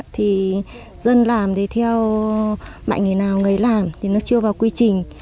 thì dân làm thì theo mọi người nào người làm thì nó chưa vào quy trình